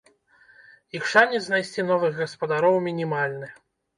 Іх шанец знайсці новых гаспадароў мінімальны.